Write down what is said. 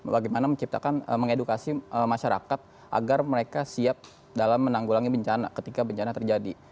bagaimana menciptakan mengedukasi masyarakat agar mereka siap dalam menanggulangi bencana ketika bencana terjadi